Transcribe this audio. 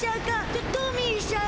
トトミーしゃん？